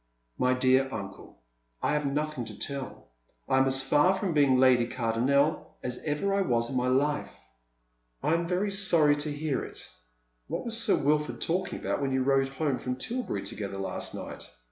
" My dear uncle, I have nothing to tell. I am as far from being Lady Cardonnel as ever I was in my life." 218 Dead Merits iShoea. «* I'm very sorry to bear it. What was Sir Wilf ord talking about when you rode home from Tilberry together last night